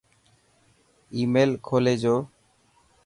آي ميل کولي جو